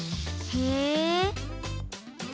へえ。